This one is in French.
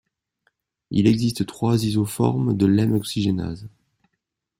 Il existe trois isoformes de l'hème oxygénase.